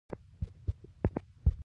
د امنیتي پېښو په صورت کې اړتیا نشته.